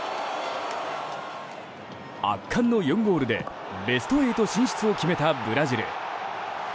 圧巻の４ゴールでベスト８進出を決めたブラジル。